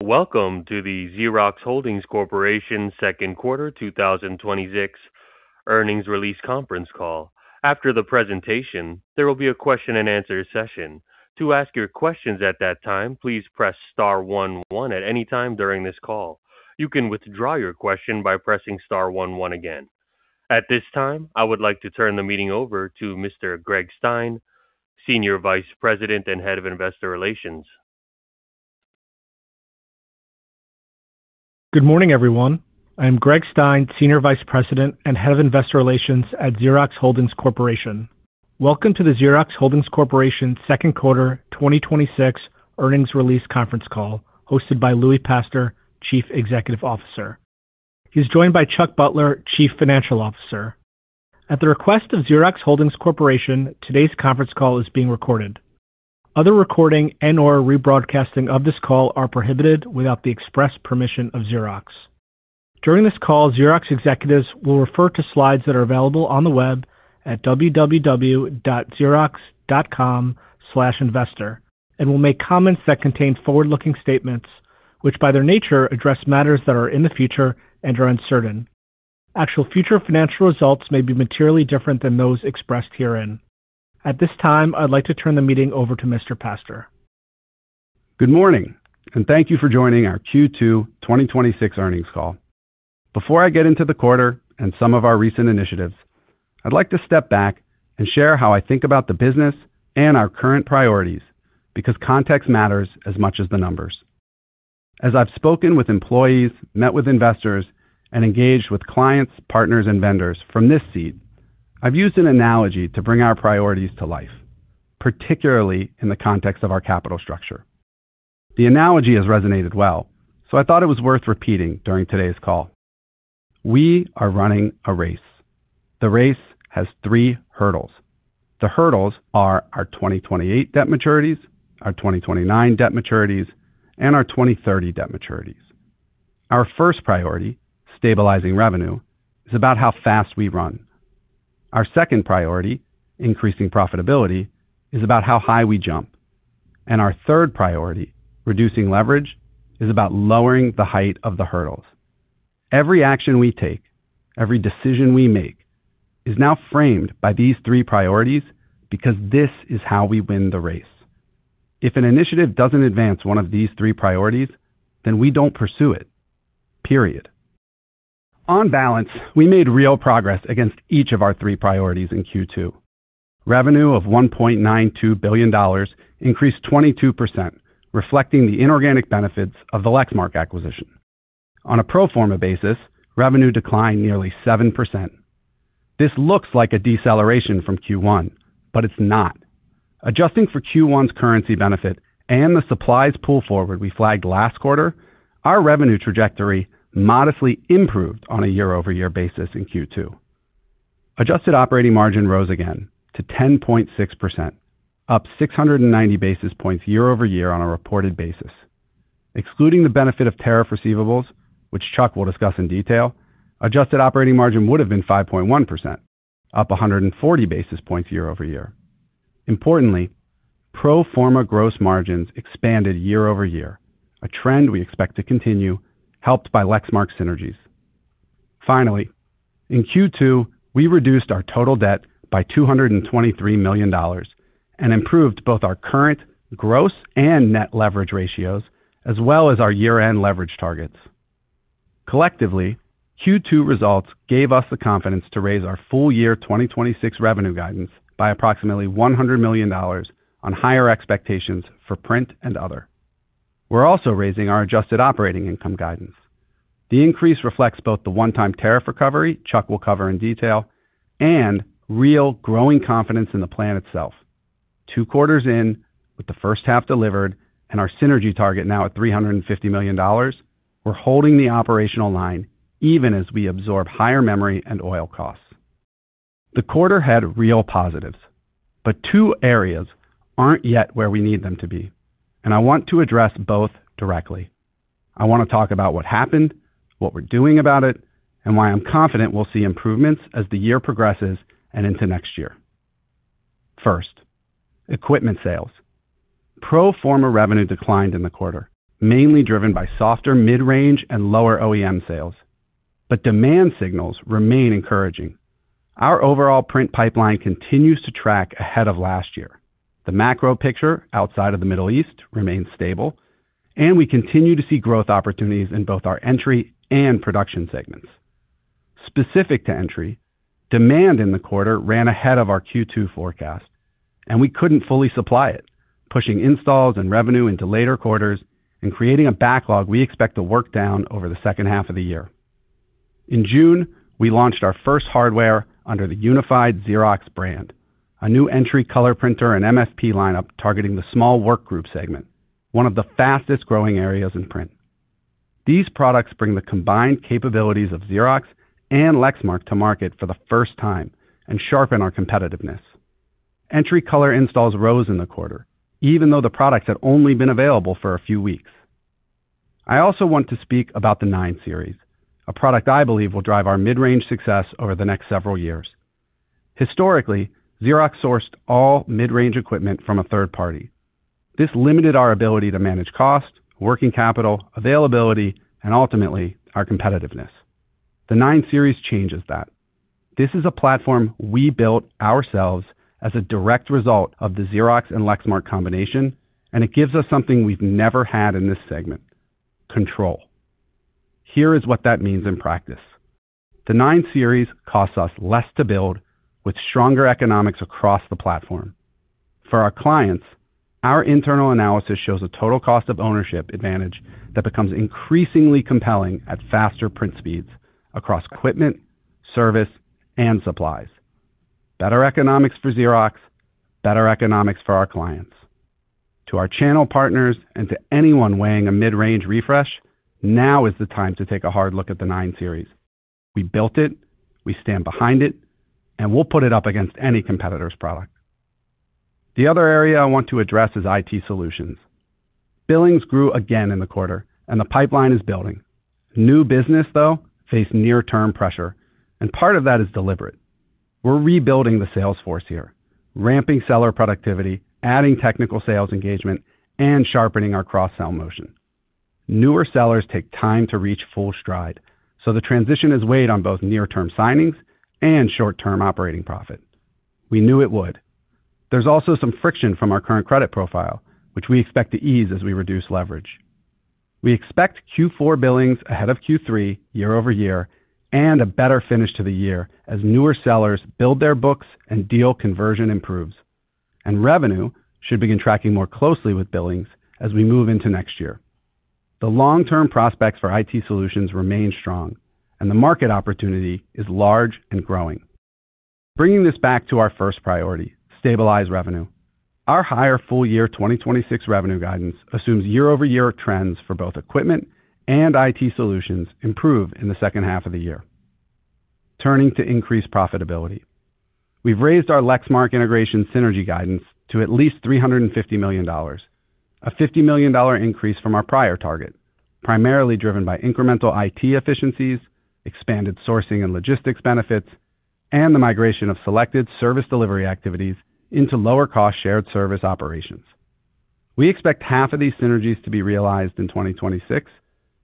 Welcome to the Xerox Holdings Corporation second quarter 2026 earnings release conference call. After the presentation, there will be a question and answer session. To ask your questions at that time, please press star one one at any time during this call. You can withdraw your question by pressing star one one again. At this time, I would like to turn the meeting over to Mr. Greg Stein, Senior Vice President and Head of Investor Relations. Good morning, everyone. I'm Greg Stein, Senior Vice President and Head of Investor Relations at Xerox Holdings Corporation. Welcome to the Xerox Holdings Corporation second quarter 2026 earnings release conference call hosted by Louie Pastor, Chief Executive Officer. He's joined by Chuck Butler, Chief Financial Officer. At the request of Xerox Holdings Corporation, today's conference call is being recorded. Other recording and/or rebroadcasting of this call are prohibited without the express permission of Xerox. During this call, Xerox executives will refer to slides that are available on the web at www.xerox.com/investor and will make comments that contain forward-looking statements which, by their nature, address matters that are in the future and are uncertain. Actual future financial results may be materially different than those expressed herein. At this time, I'd like to turn the meeting over to Mr. Pastor. Good morning. Thank you for joining our Q2 2026 earnings call. Before I get into the quarter and some of our recent initiatives, I'd like to step back and share how I think about the business and our current priorities, because context matters as much as the numbers. As I've spoken with employees, met with investors, and engaged with clients, partners, and vendors from this seat, I've used an analogy to bring our priorities to life, particularly in the context of our capital structure. The analogy has resonated well, so I thought it was worth repeating during today's call. We are running a race. The race has three hurdles. The hurdles are our 2028 debt maturities, our 2029 debt maturities, and our 2030 debt maturities. Our first priority, stabilizing revenue, is about how fast we run. Our second priority, increasing profitability, is about how high we jump. Our third priority, reducing leverage, is about lowering the height of the hurdles. Every action we take, every decision we make, is now framed by these three priorities, because this is how we win the race. If an initiative doesn't advance one of these three priorities, then we don't pursue it, period. On balance, we made real progress against each of our three priorities in Q2. Revenue of $1.92 billion increased 22%, reflecting the inorganic benefits of the Lexmark acquisition. On a pro forma basis, revenue declined nearly 7%. This looks like a deceleration from Q1, but it's not. Adjusting for Q1's currency benefit and the supplies pull forward we flagged last quarter, our revenue trajectory modestly improved on a year-over-year basis in Q2. Adjusted operating margin rose again to 10.6%, up 690 basis points year-over-year on a reported basis. Excluding the benefit of tariff receivables, which Chuck will discuss in detail, adjusted operating margin would've been 5.1%, up 140 basis points year-over-year. Importantly, pro forma gross margins expanded year-over-year, a trend we expect to continue, helped by Lexmark synergies. Finally, in Q2, we reduced our total debt by $223 million and improved both our current gross and net leverage ratios, as well as our year-end leverage targets. Collectively, Q2 results gave us the confidence to raise our full year 2026 revenue guidance by approximately $100 million on higher expectations for Print & Other. We're also raising our adjusted operating income guidance. The increase reflects both the one-time tariff recovery Chuck will cover in detail and real growing confidence in the plan itself. Two quarters in, with the first half delivered and our synergy target now at $350 million, we're holding the operational line even as we absorb higher memory and oil costs. The quarter had real positives, but two areas aren't yet where we need them to be, and I want to address both directly. I want to talk about what happened, what we're doing about it, and why I'm confident we'll see improvements as the year progresses and into next year. First, equipment sales. Pro forma revenue declined in the quarter, mainly driven by softer mid-range and lower OEM sales, but demand signals remain encouraging. Our overall print pipeline continues to track ahead of last year. The macro picture outside of the Middle East remains stable, and we continue to see growth opportunities in both our entry and production segments. Specific to entry, demand in the quarter ran ahead of our Q2 forecast, and we couldn't fully supply it, pushing installs and revenue into later quarters and creating a backlog we expect to work down over the second half of the year. In June, we launched our first hardware under the unified Xerox brand, a new entry color printer and MSP lineup targeting the small workgroup segment, one of the fastest-growing areas in print. These products bring the combined capabilities of Xerox and Lexmark to market for the first time and sharpen our competitiveness. Entry color installs rose in the quarter, even though the products had only been available for a few weeks. I also want to speak about the 9-Series, a product I believe will drive our mid-range success over the next several years. Historically, Xerox sourced all mid-range equipment from a third party. This limited our ability to manage cost, working capital availability, and ultimately our competitiveness. The 9-Series changes that. This is a platform we built ourselves as a direct result of the Xerox and Lexmark combination, and it gives us something we've never had in this segment, control. Here is what that means in practice. The 9-Series costs us less to build with stronger economics across the platform. For our clients, our internal analysis shows a total cost of ownership advantage that becomes increasingly compelling at faster print speeds across equipment, service, and supplies. Better economics for Xerox, better economics for our clients. To our channel partners and to anyone weighing a mid-range refresh, now is the time to take a hard look at the 9-Series. We built it, we stand behind it, and we'll put it up against any competitor's product. The other area I want to address is IT Solutions. Billings grew again in the quarter and the pipeline is building. New business, though, faced near-term pressure, and part of that is deliberate. We're rebuilding the sales force here, ramping seller productivity, adding technical sales engagement, and sharpening our cross-sell motion. Newer sellers take time to reach full stride, so the transition has weighed on both near-term signings and short-term operating profit. We knew it would. There's also some friction from our current credit profile, which we expect to ease as we reduce leverage. We expect Q4 billings ahead of Q3 year-over-year, and a better finish to the year as newer sellers build their books and deal conversion improves. Revenue should begin tracking more closely with billings as we move into next year. The long-term prospects for IT Solutions remain strong, and the market opportunity is large and growing. Bringing this back to our first priority, stabilize revenue. Our higher full year 2026 revenue guidance assumes year-over-year trends for both equipment and IT Solutions improve in the second half of the year. Turning to increase profitability. We've raised our Lexmark integration synergy guidance to at least $350 million, a $50 million increase from our prior target, primarily driven by incremental IT efficiencies, expanded sourcing and logistics benefits, and the migration of selected service delivery activities into lower cost shared service operations. We expect half of these synergies to be realized in 2026,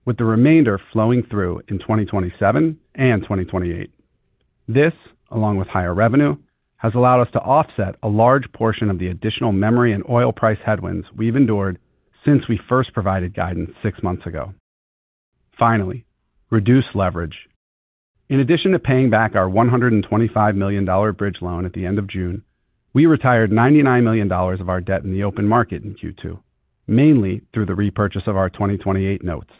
with the remainder flowing through in 2027 and 2028. This, along with higher revenue, has allowed us to offset a large portion of the additional memory and oil price headwinds we've endured since we first provided guidance six months ago. Finally, reduce leverage. In addition to paying back our $125 million bridge loan at the end of June, we retired $99 million of our debt in the open market in Q2, mainly through the repurchase of our 2028 notes.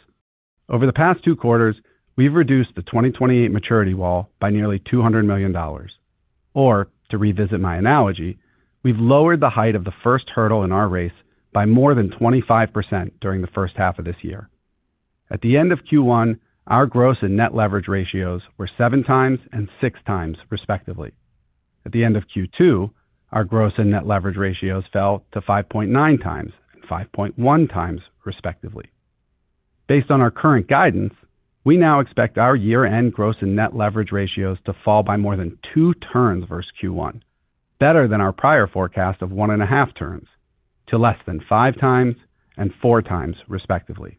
Over the past two quarters, we've reduced the 2028 maturity wall by nearly $200 million. Or to revisit my analogy, we've lowered the height of the first hurdle in our race by more than 25% during the first half of this year. At the end of Q1, our gross and net leverage ratios were 7x and 6x, respectively. At the end of Q2, our gross and net leverage ratios fell to 5.9x and 5.1x, respectively. Based on our current guidance, we now expect our year-end gross and net leverage ratios to fall by more than two turns versus Q1, better than our prior forecast of one and a half turns to less than 5x and 4x, respectively.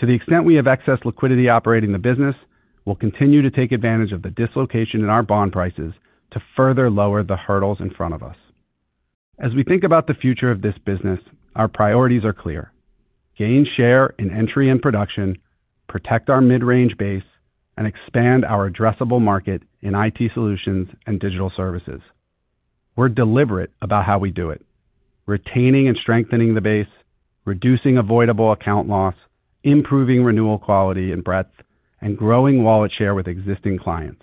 To the extent we have excess liquidity operating the business, we'll continue to take advantage of the dislocation in our bond prices to further lower the hurdles in front of us. As we think about the future of this business, our priorities are clear. Gain share in entry and production, protect our mid-range base, and expand our addressable market in IT Solutions and digital services. We're deliberate about how we do it, retaining and strengthening the base, reducing avoidable account loss, improving renewal quality and breadth, and growing wallet share with existing clients.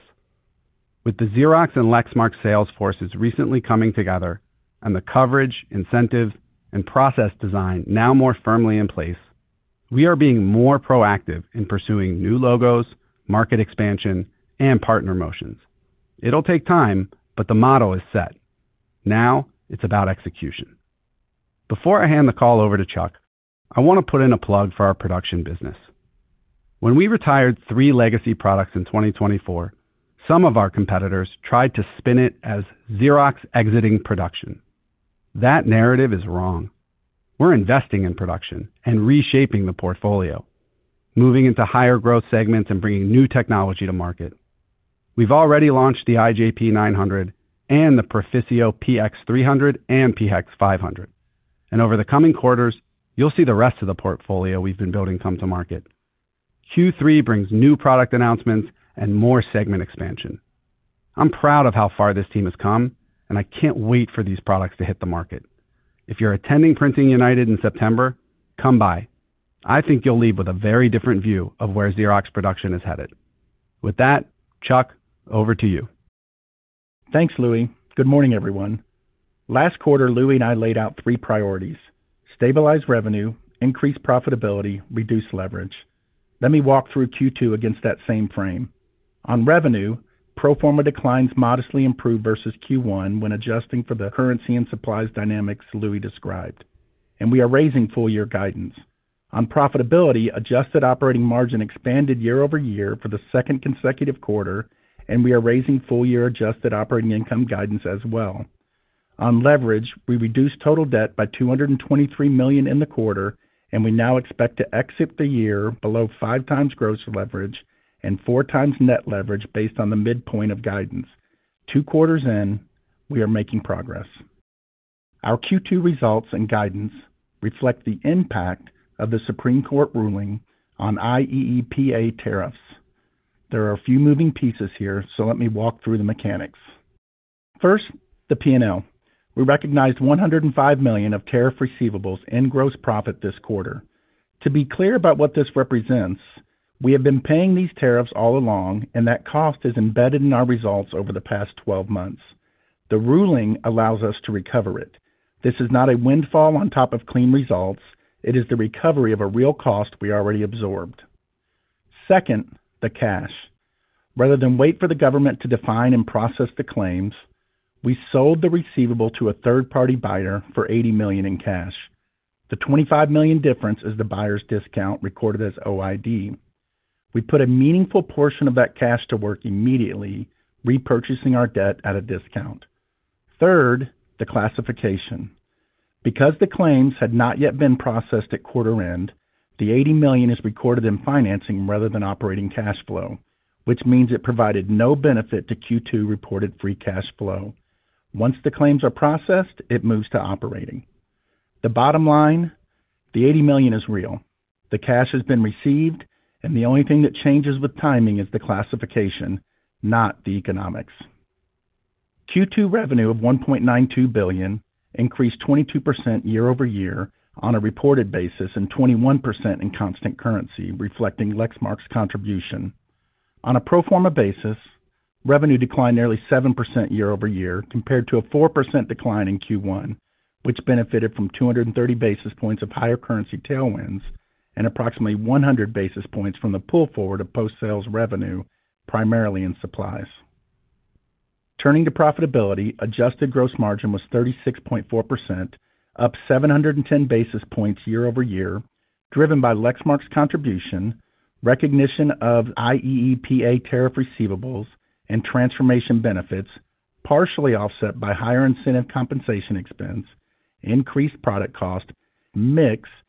With the Xerox and Lexmark sales forces recently coming together and the coverage, incentive, and process design now more firmly in place, we are being more proactive in pursuing new logos, market expansion, and partner motions. It'll take time, but the model is set. Now, it's about execution. Before I hand the call over to Chuck, I want to put in a plug for our production business. When we retired three legacy products in 2024, some of our competitors tried to spin it as Xerox exiting production. That narrative is wrong. We're investing in production and reshaping the portfolio, moving into higher growth segments and bringing new technology to market. We've already launched the IJP900 and the Proficio PX300 and PX500. Over the coming quarters, you'll see the rest of the portfolio we've been building come to market. Q3 brings new product announcements and more segment expansion. I'm proud of how far this team has come, and I can't wait for these products to hit the market. If you're attending Printing United in September, come by. I think you'll leave with a very different view of where Xerox production is headed. With that, Chuck, over to you. Thanks, Louie. Good morning, everyone. Last quarter, Louie and I laid out three priorities: stabilize revenue, increase profitability, reduce leverage. Let me walk through Q2 against that same frame. On revenue, pro forma declines modestly improved versus Q1 when adjusting for the currency and supplies dynamics Louie described. We are raising full year guidance. On profitability, adjusted operating margin expanded year-over-year for the second consecutive quarter, and we are raising full year adjusted operating income guidance as well. On leverage, we reduced total debt by $223 million in the quarter, and we now expect to exit the year below 5x gross leverage and 4x net leverage based on the midpoint of guidance. Two quarters in, we are making progress. Our Q2 results and guidance reflect the impact of the Supreme Court ruling on IEEPA tariffs. There are a few moving pieces here, let me walk through the mechanics. First, the P&L. We recognized $105 million of tariff receivables in gross profit this quarter. To be clear about what this represents, we have been paying these tariffs all along, and that cost is embedded in our results over the past 12 months. The ruling allows us to recover it. This is not a windfall on top of clean results. It is the recovery of a real cost we already absorbed. Second, the cash. Rather than wait for the government to define and process the claims, we sold the receivable to a third-party buyer for $80 million in cash. The $25 million difference is the buyer's discount recorded as OID. We put a meaningful portion of that cash to work immediately, repurchasing our debt at a discount. Third, the classification. Because the claims had not yet been processed at quarter end, the $80 million is recorded in financing rather than operating cash flow, which means it provided no benefit to Q2 reported free cash flow. Once the claims are processed, it moves to operating. The bottom line, the $80 million is real. The cash has been received, and the only thing that changes with timing is the classification, not the economics. Q2 revenue of $1.92 billion increased 22% year-over-year on a reported basis and 21% in constant currency, reflecting Lexmark's contribution. On a pro forma basis, revenue declined nearly 7% year-over-year compared to a 4% decline in Q1, which benefited from 230 basis points of higher currency tailwinds and approximately 100 basis points from the pull forward of post-sales revenue, primarily in supplies. Turning to profitability, adjusted gross margin was 36.4%, up 710 basis points year-over-year, driven by Lexmark's contribution, recognition of IEEPA tariff receivables, and transformation benefits, partially offset by higher incentive compensation expense, increased product cost, mix, and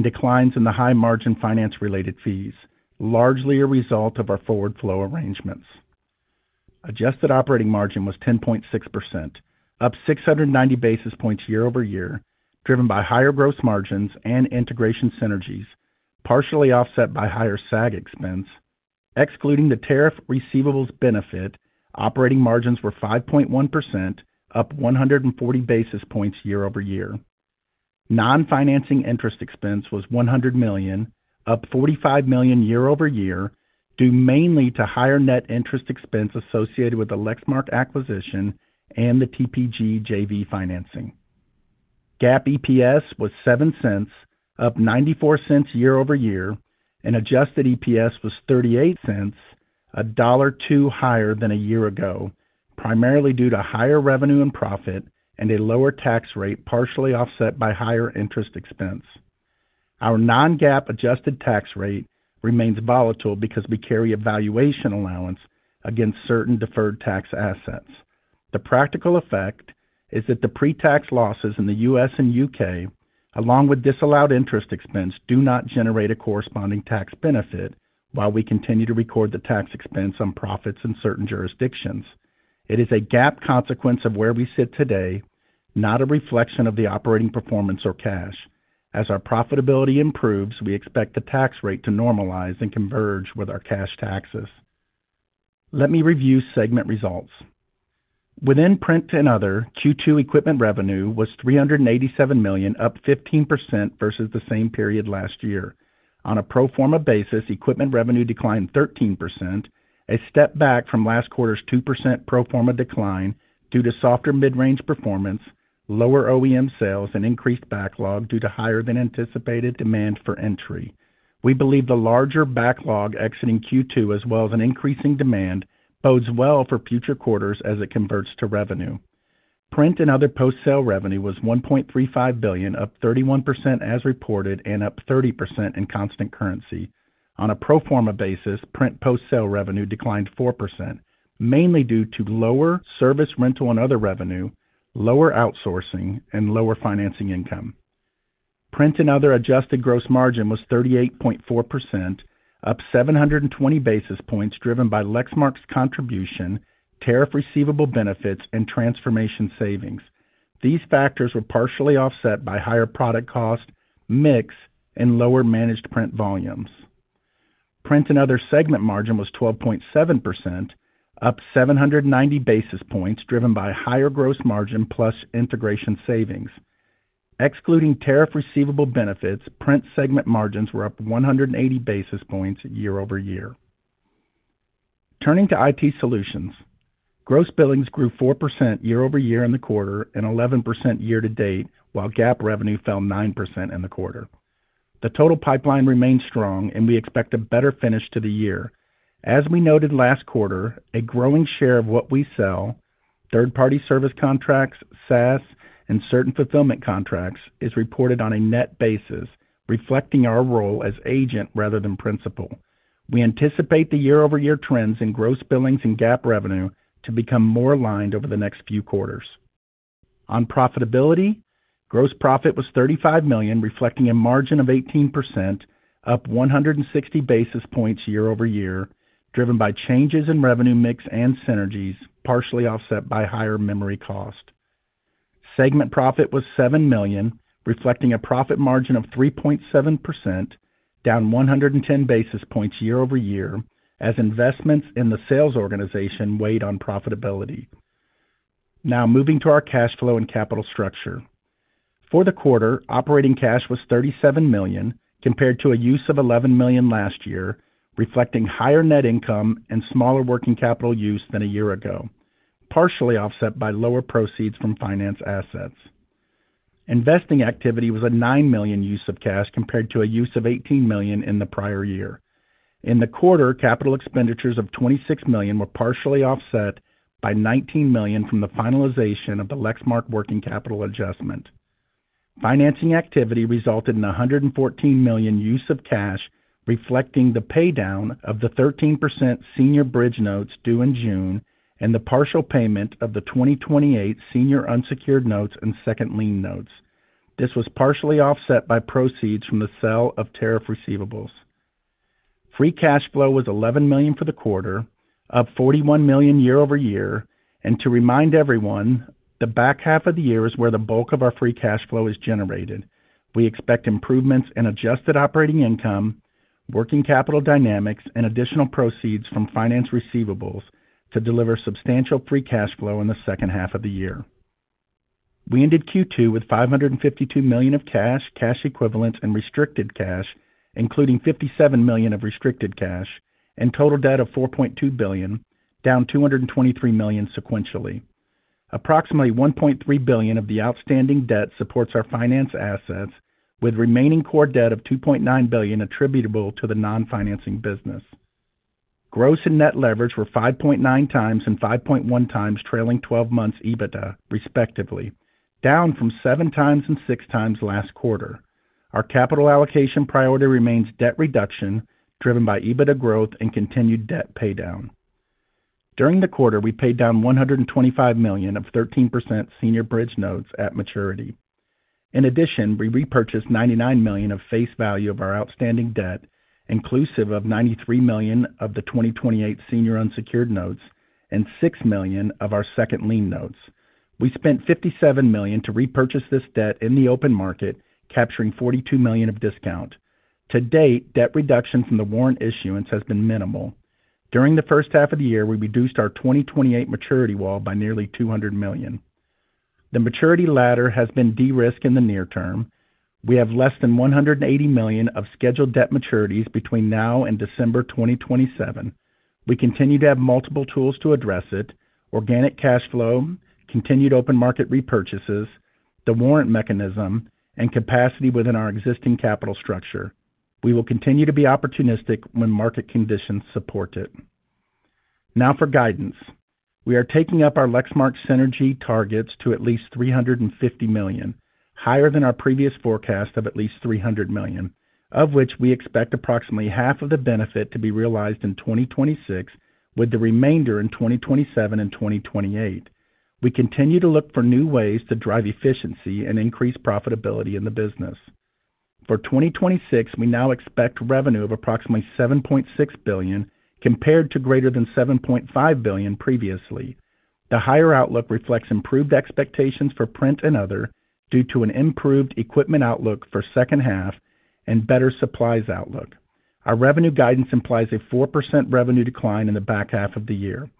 declines in the high-margin finance-related fees, largely a result of our forward flow arrangements. Adjusted operating margin was 10.6%, up 690 basis points year-over-year, driven by higher gross margins and integration synergies, partially offset by higher SAG expense. Excluding the tariff receivables benefit, operating margins were 5.1%, up 140 basis points year-over-year. Non-financing interest expense was $100 million, up $45 million year-over-year, due mainly to higher net interest expense associated with the Lexmark acquisition and the TPG JV financing. GAAP EPS was $0.07, up $0.94 year-over-year, and adjusted EPS was $0.38, $1.02 higher than a year ago, primarily due to higher revenue and profit and a lower tax rate, partially offset by higher interest expense. Our non-GAAP adjusted tax rate remains volatile because we carry a valuation allowance against certain deferred tax assets. The practical effect is that the pre-tax losses in the U.S. and U.K., along with disallowed interest expense, do not generate a corresponding tax benefit while we continue to record the tax expense on profits in certain jurisdictions. It is a GAAP consequence of where we sit today, not a reflection of the operating performance or cash. As our profitability improves, we expect the tax rate to normalize and converge with our cash taxes. Let me review segment results. Within Print & Other, Q2 equipment revenue was $387 million, up 15% versus the same period last year. On a pro forma basis, equipment revenue declined 13%, a step back from last quarter's 2% pro forma decline due to softer mid-range performance, lower OEM sales, and increased backlog due to higher-than-anticipated demand for entry. We believe the larger backlog exiting Q2, as well as an increasing demand, bodes well for future quarters as it converts to revenue. Print & Other post-sale revenue was $1.35 billion, up 31% as reported and up 30% in constant currency. On a pro forma basis, Print post-sale revenue declined 4%, mainly due to lower service, rental, and other revenue, lower outsourcing, and lower financing income. Print & Other adjusted gross margin was 38.4%, up 720 basis points, driven by Lexmark's contribution, tariff receivable benefits, and transformation savings. These factors were partially offset by higher product cost, mix, and lower managed print volumes. Print & Other segment margin was 12.7%, up 790 basis points, driven by higher gross margin plus integration savings. Excluding tariff receivable benefits, Print segment margins were up 180 basis points year-over-year. Turning to IT Solutions, gross billings grew 4% year-over-year in the quarter and 11% year to date, while GAAP revenue fell 9% in the quarter. The total pipeline remains strong, and we expect a better finish to the year. As we noted last quarter, a growing share of what we sell, third-party service contracts, SaaS, and certain fulfillment contracts, is reported on a net basis, reflecting our role as agent rather than principal. We anticipate the year-over-year trends in gross billings and GAAP revenue to become more aligned over the next few quarters. On profitability, gross profit was $35 million, reflecting a margin of 18%, up 160 basis points year-over-year, driven by changes in revenue mix and synergies, partially offset by higher memory cost. Segment profit was $7 million, reflecting a profit margin of 3.7%, down 110 basis points year-over-year, as investments in the sales organization weighed on profitability. Now, moving to our cash flow and capital structure. For the quarter, operating cash was $37 million, compared to a use of $11 million last year, reflecting higher net income and smaller working capital use than a year ago, partially offset by lower proceeds from finance assets. Investing activity was a $9 million use of cash compared to a use of $18 million in the prior year. In the quarter, capital expenditures of $26 million were partially offset by $19 million from the finalization of the Lexmark working capital adjustment. Financing activity resulted in $114 million use of cash, reflecting the paydown of the 13% senior bridge notes due in June and the partial payment of the 2028 senior unsecured notes and second lien notes. This was partially offset by proceeds from the sale of tariff receivables. Free cash flow was $11 million for the quarter, up $41 million year-over-year. To remind everyone, the back half of the year is where the bulk of our free cash flow is generated. We expect improvements in adjusted operating income, working capital dynamics, and additional proceeds from finance receivables to deliver substantial free cash flow in the second half of the year. We ended Q2 with $552 million of cash equivalents, and restricted cash, including $57 million of restricted cash and total debt of $4.2 billion, down $223 million sequentially. Approximately $1.3 billion of the outstanding debt supports our finance assets, with remaining core debt of $2.9 billion attributable to the non-financing business. Gross and net leverage were 5.9x and 5.1x trailing 12 months EBITDA, respectively, down from 7x and 6x last quarter. Our capital allocation priority remains debt reduction, driven by EBITDA growth and continued debt paydown. During the quarter, we paid down $125 million of 13% senior bridge notes at maturity. In addition, we repurchased $99 million of face value of our outstanding debt, inclusive of $93 million of the 2028 senior unsecured notes and $6 million of our second lien notes. We spent $57 million to repurchase this debt in the open market, capturing $42 million of discount. To date, debt reduction from the warrant issuance has been minimal. During the first half of the year, we reduced our 2028 maturity wall by nearly $200 million. The maturity ladder has been de-risked in the near term. We have less than $180 million of scheduled debt maturities between now and December 2027. We continue to have multiple tools to address it: organic cash flow, continued open market repurchases, the warrant mechanism, and capacity within our existing capital structure. We will continue to be opportunistic when market conditions support it. Now for guidance. We are taking up our Lexmark synergy targets to at least $350 million, higher than our previous forecast of at least $300 million, of which we expect approximately half of the benefit to be realized in 2026, with the remainder in 2027 and 2028. We continue to look for new ways to drive efficiency and increase profitability in the business. For 2026, we now expect revenue of approximately $7.6 billion, compared to greater than $7.5 billion previously. The higher outlook reflects improved expectations for Print & Other, due to an improved equipment outlook for second half and better supplies outlook. Our revenue guidance implies a 4% revenue decline in the back half of the year.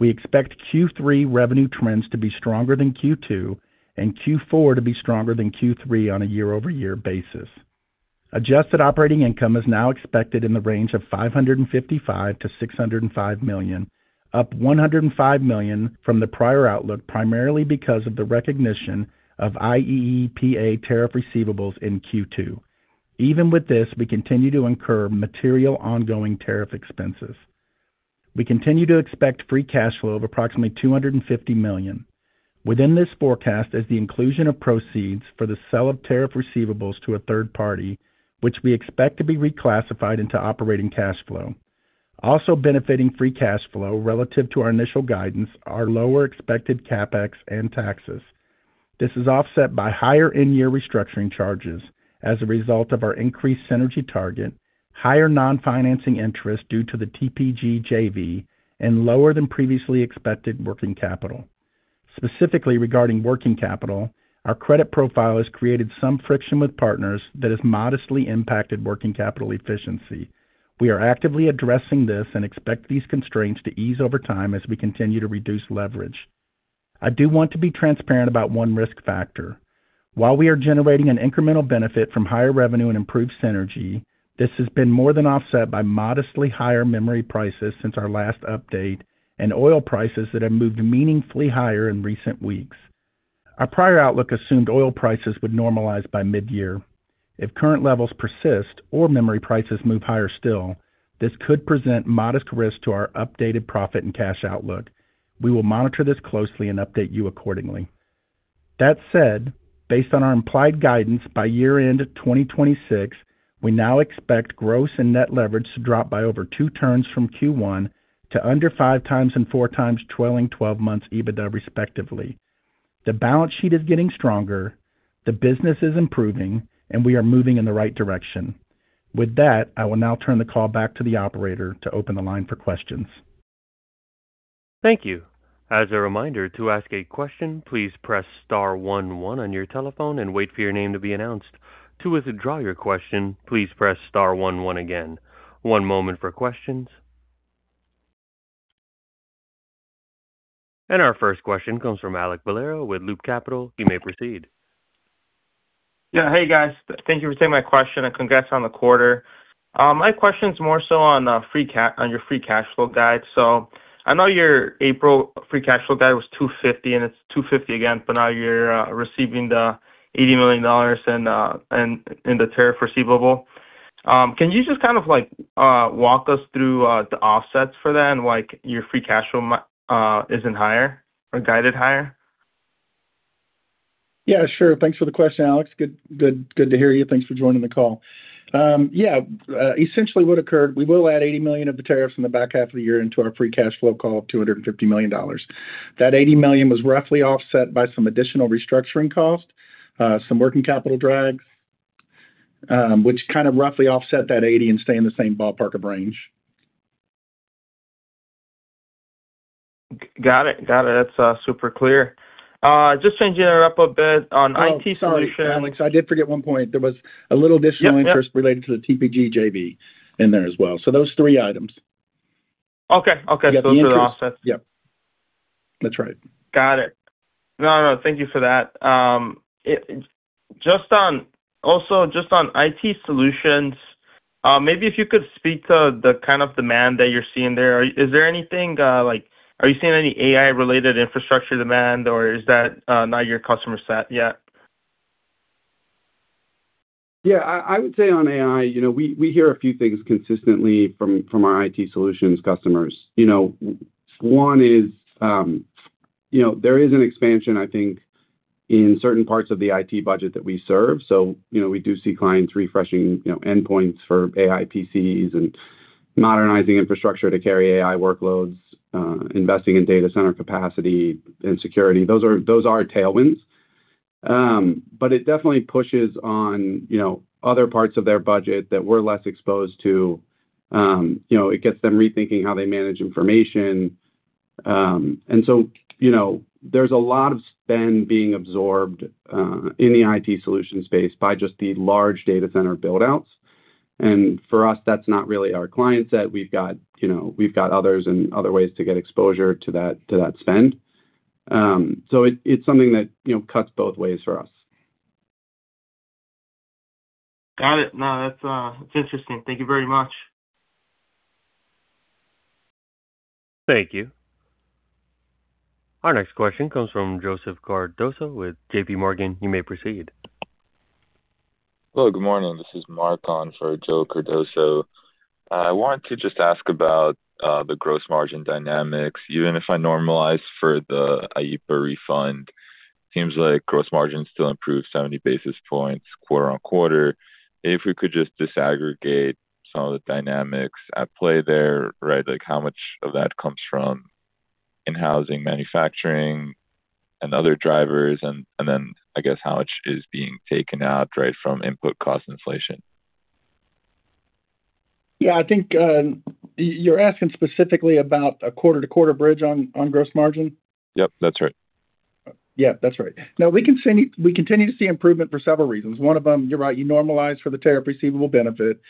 We expect Q3 revenue trends to be stronger than Q2 and Q4 to be stronger than Q3 on a year-over-year basis. Adjusted operating income is now expected in the range of $555 million-$605 million, up $105 million from the prior outlook, primarily because of the recognition of IEEPA tariff receivables in Q2. Even with this, we continue to incur material ongoing tariff expenses. We continue to expect free cash flow of approximately $250 million. Within this forecast is the inclusion of proceeds for the sale of tariff receivables to a third party, which we expect to be reclassified into operating cash flow. Also benefiting free cash flow relative to our initial guidance are lower expected CapEx and taxes. This is offset by higher in-year restructuring charges as a result of our increased synergy target, higher non-financing interest due to the TPG JV, and lower than previously expected working capital. Specifically regarding working capital, our credit profile has created some friction with partners that has modestly impacted working capital efficiency. We are actively addressing this and expect these constraints to ease over time as we continue to reduce leverage. I do want to be transparent about one risk factor. While we are generating an incremental benefit from higher revenue and improved synergy, this has been more than offset by modestly higher memory prices since our last update and oil prices that have moved meaningfully higher in recent weeks. Our prior outlook assumed oil prices would normalize by mid-year. If current levels persist or memory prices move higher still, this could present modest risk to our updated profit and cash outlook. We will monitor this closely and update you accordingly. That said, based on our implied guidance by year-end 2026, we now expect gross and net leverage to drop by over two turns from Q1 to under 5x and 4x trailing 12 months EBITDA, respectively. The balance sheet is getting stronger, the business is improving, and we are moving in the right direction. With that, I will now turn the call back to the operator to open the line for questions. Thank you. As a reminder, to ask a question, please press star one one on your telephone and wait for your name to be announced. To withdraw your question, please press star one one again. One moment for questions. Our first question comes from Alex Bellaro with Loop Capital. You may proceed. Yeah. Hey, guys. Thank you for taking my question, and congrats on the quarter. My question is more so on your free cash flow guide. I know your April free cash flow guide was $250 million, and it's $250 million again, but now you're receiving the $80 million in the tariff receivable. Can you just kind of walk us through the offsets for that and why your free cash flow isn't higher or guided higher? Yeah, sure. Thanks for the question, Alex. Good to hear you. Thanks for joining the call. Yeah. Essentially what occurred, we will add $80 million of the tariffs in the back half of the year into our free cash flow call of $250 million. That $80 million was roughly offset by some additional restructuring cost, some working capital drag, which kind of roughly offset that 80 and stay in the same ballpark of range. Got it. That's super clear. Just changing it up a bit on IT solutions. Oh, sorry, Alex. I did forget one point. There was a little additional interest related to the TPG JV in there as well. Those three items. Okay. Those are offsets. Yeah. That's right. Got it. No, thank you for that. Just on IT Solutions, maybe if you could speak to the kind of demand that you're seeing there. Are you seeing any AI-related infrastructure demand or is that not your customer set yet? Yeah. I would say on AI, we hear a few things consistently from our IT Solutions customers. One is there is an expansion, I think, in certain parts of the IT budget that we serve. We do see clients refreshing endpoints for AI PCs and modernizing infrastructure to carry AI workloads, investing in data center capacity and security. Those are tailwinds. It definitely pushes on other parts of their budget that we're less exposed to. It gets them rethinking how they manage information. There's a lot of spend being absorbed in the IT Solutions space by just the large data center build-outs. For us, that's not really our client set. We've got others and other ways to get exposure to that spend. It's something that cuts both ways for us. Got it. No, that's interesting. Thank you very much. Thank you. Our next question comes from Joseph Cardoso with JPMorgan. You may proceed. Hello, good morning. This is Mark on for Joe Cardoso. I wanted to just ask about the gross margin dynamics. Even if I normalize for the IEEPA refund, seems like gross margin still improved 70 basis points quarter-on-quarter. If we could just disaggregate some of the dynamics at play there, right? How much of that comes from in-housing manufacturing and other drivers, and then I guess how much is being taken out from input cost inflation? Yeah, I think you're asking specifically about a quarter-to-quarter bridge on gross margin? Yep, that's right. Yeah, that's right. No, we continue to see improvement for several reasons. One of them, you're right, you normalize for the tariff receivable benefit.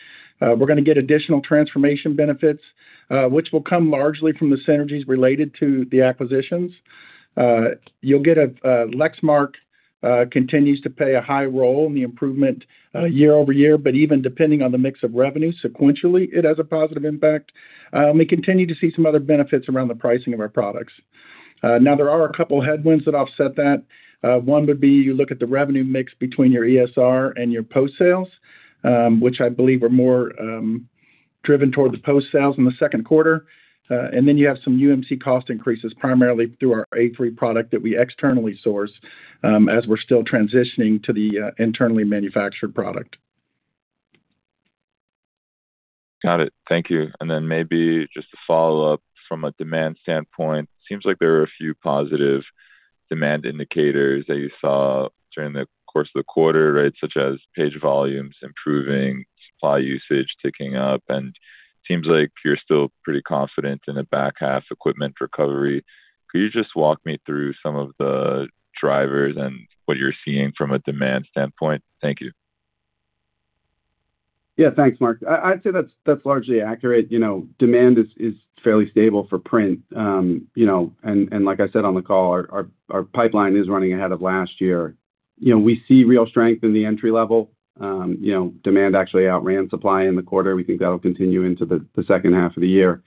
We're going to get additional transformation benefits, which will come largely from the synergies related to the acquisitions. Lexmark continues to play a high role in the improvement year-over-year, but even depending on the mix of revenue sequentially, it has a positive impact. We continue to see some other benefits around the pricing of our products. There are a couple of headwinds that offset that. One would be you look at the revenue mix between your ESR and your post sales, which I believe were more driven towards post sales in the second quarter. You have some UMC cost increases, primarily through our A3 product that we externally source as we're still transitioning to the internally manufactured product. Got it. Thank you. Maybe just to follow up from a demand standpoint, seems like there were a few positive demand indicators that you saw during the course of the quarter, such as page volumes improving, supply usage ticking up, and seems like you're still pretty confident in a back half equipment recovery. Could you just walk me through some of the drivers and what you're seeing from a demand standpoint? Thank you. Yeah. Thanks, [Mark]. I'd say that's largely accurate. Demand is fairly stable for print. Like I said on the call, our pipeline is running ahead of last year We see real strength in the entry level. Demand actually outran supply in the quarter. We think that'll continue into the second half of the year.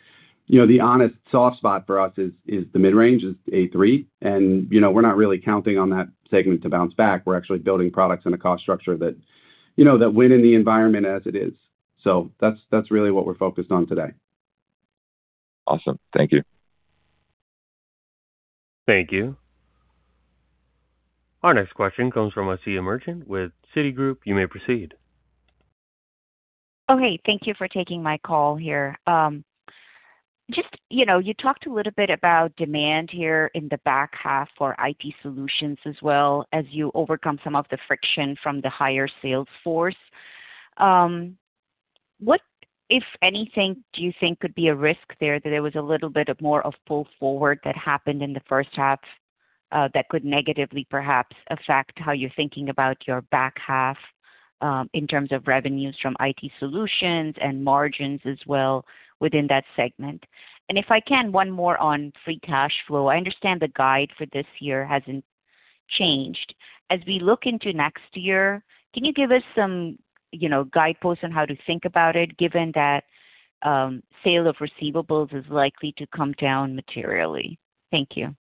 The honest soft spot for us is the mid-range, is A3. We're not really counting on that segment to bounce back. We're actually building products in a cost structure that win in the environment as it is. That's really what we're focused on today. Awesome. Thank you. Thank you. Our next question comes from Asiya Merchant with Citigroup. You may proceed. Oh, hey, thank you for taking my call here. You talked a little bit about demand here in the back half for IT Solutions as well as you overcome some of the friction from the higher sales force. What, if anything, do you think could be a risk there that there was a little bit of more of pull forward that happened in the first half that could negatively perhaps affect how you're thinking about your back half in terms of revenues from IT Solutions and margins as well within that segment? If I can, one more on free cash flow. I understand the guide for this year hasn't changed. As we look into next year, can you give us some guideposts on how to think about it given that sale of receivables is likely to come down materially? Thank you.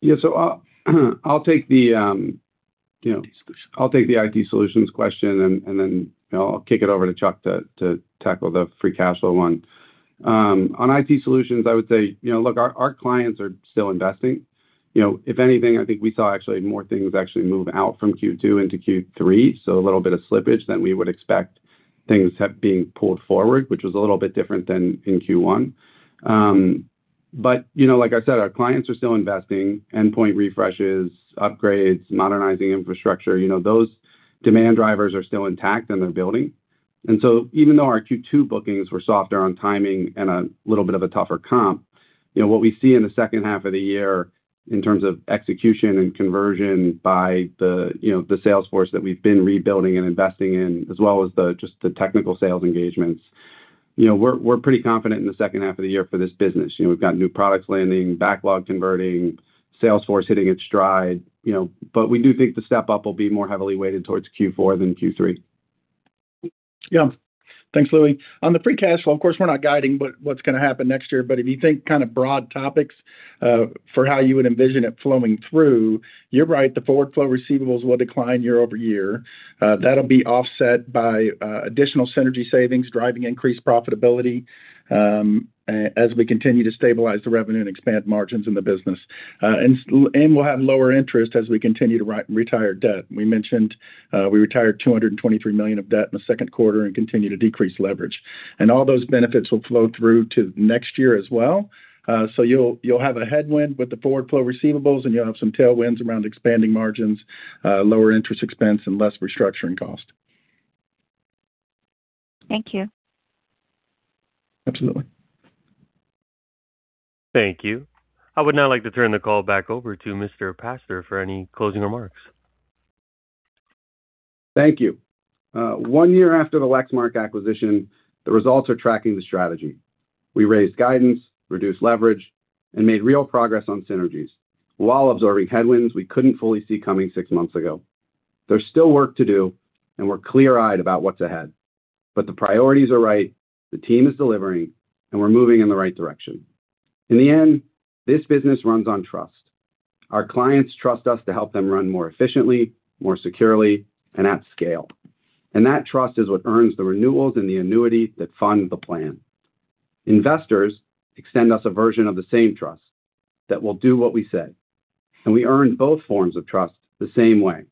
Yeah. I'll take. IT Solutions. I'll take the IT solutions question and then I'll kick it over to Chuck to tackle the free cash flow one. On IT solutions, I would say, look, our clients are still investing. If anything, I think we saw actually more things actually move out from Q2 into Q3, so a little bit of slippage than we would expect things being pulled forward, which was a little bit different than in Q1. Like I said, our clients are still investing, endpoint refreshes, upgrades, modernizing infrastructure. Those demand drivers are still intact and they're building. Even though our Q2 bookings were softer on timing and a little bit of a tougher comp, what we see in the second half of the year in terms of execution and conversion by the sales force that we've been rebuilding and investing in as well as just the technical sales engagements, we're pretty confident in the second half of the year for this business. We've got new products landing, backlog converting, sales force hitting its stride. We do think the step up will be more heavily weighted towards Q4 than Q3. Yeah. Thanks, Louie. On the free cash flow, of course, we're not guiding what's going to happen next year. If you think broad topics for how you would envision it flowing through, you're right, the forward flow receivables will decline year-over-year. That'll be offset by additional synergy savings, driving increased profitability as we continue to stabilize the revenue and expand margins in the business. We'll have lower interest as we continue to retire debt. We mentioned we retired $223 million of debt in the second quarter and continue to decrease leverage. All those benefits will flow through to next year as well. You'll have a headwind with the forward flow receivables, and you'll have some tailwinds around expanding margins, lower interest expense, and less restructuring cost. Thank you. Absolutely. Thank you. I would now like to turn the call back over to Mr. Pastor for any closing remarks. Thank you. One year after the Lexmark acquisition, the results are tracking the strategy. We raised guidance, reduced leverage, and made real progress on synergies while absorbing headwinds we couldn't fully see coming six months ago. There's still work to do, and we're clear-eyed about what's ahead. The priorities are right, the team is delivering, and we're moving in the right direction. In the end, this business runs on trust. Our clients trust us to help them run more efficiently, more securely, and at scale. That trust is what earns the renewals and the annuity that fund the plan. Investors extend us a version of the same trust that we'll do what we said. We earn both forms of trust the same way,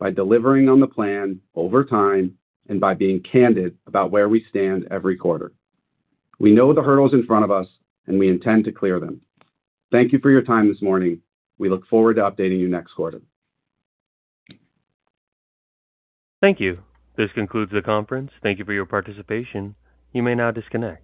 by delivering on the plan over time and by being candid about where we stand every quarter. We know the hurdles in front of us, we intend to clear them. Thank you for your time this morning. We look forward to updating you next quarter. Thank you. This concludes the conference. Thank you for your participation. You may now disconnect.